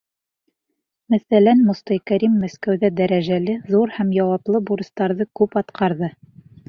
Мәҫәлән, Мостай Кәрим Мәскәүҙә дәрәжәле, ҙур һәм яуаплы бурыстарҙы күп атҡарҙы.